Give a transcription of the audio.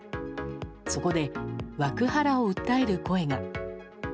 そこで、ワクハラを訴える声が。